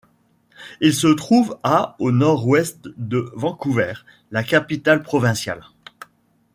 Il se trouve à au nord-ouest de Vancouver, la capitale provinciale.